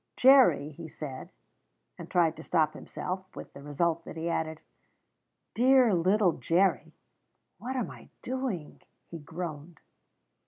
"Jerry," he said, and tried to stop himself, with the result that he added, "dear little Jerry!" ("What am I doing!" he groaned.)